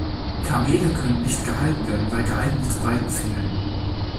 Kamele können nicht gehalten werden, weil geeignete Weiden fehlen.